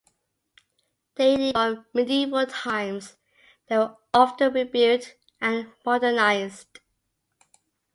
Dating from medieval times, they were often rebuilt and modernized.